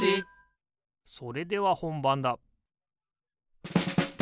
それではほんばんだ